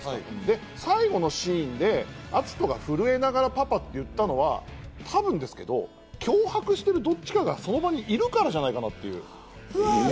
最後のシーンで篤斗が震えながらパパって言ったのは多分ですけど、脅迫している、どっちかがその場にいるからなんじゃないかと。